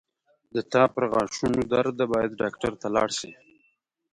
د تا پرغاښونو درد ده باید ډاکټر ته لاړ شې